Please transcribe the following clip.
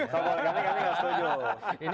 soal poligami kami nggak setuju